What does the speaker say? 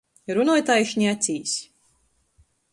Runoj taišni acīs.